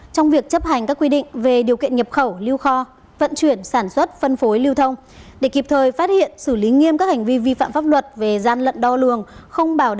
trong việc chấp hành các quy định về điều kiện nhập khẩu lưu kho vận chuyển sản xuất phân phối lưu thông